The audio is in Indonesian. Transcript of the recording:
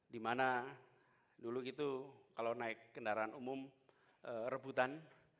dimana dulu gitu kalau naik kendaraan umum rebutan